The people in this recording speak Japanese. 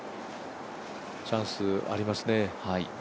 チャンスありますね。